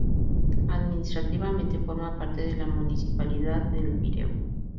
Administrativamente forma parte de la municipalidad de El Pireo.